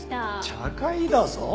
茶会だぞ。